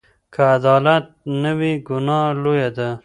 که عدالت نه وي، ګناه لویه ده.